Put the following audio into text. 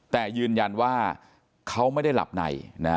แต่ยืนยันว่าเขาไม่ได้หลับใน